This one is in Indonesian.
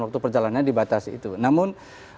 waktu perjalanan dibatasi itu namun